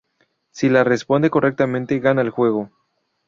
Si la responde correctamente, gana el juego.